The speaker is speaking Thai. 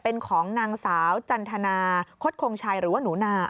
เป็นของนางสาวจันทนาคตคงชัยหรือว่าหนูนา